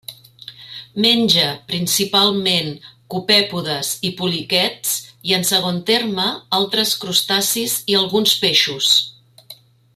Menja, principalment, copèpodes i poliquets, i, en segon terme, altres crustacis i alguns peixos.